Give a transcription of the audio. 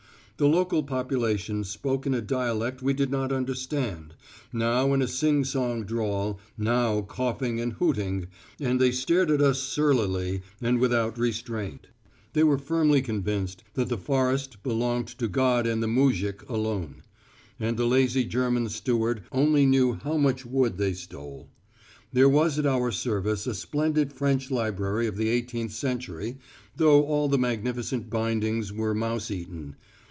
The local population spoke in a dialect we did not understand, now in a sing song drawl, now coughing and hooting, and they stared at us surlily and without restraint. They were firmly convinced that the forest belonged to God and the muzhik alone, and the lazy German steward only knew how much wood they stole. There was at our service a splendid French library of the eighteenth century, though all the magnificent bindings were mouse eaten.